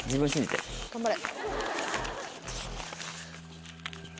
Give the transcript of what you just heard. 頑張れ。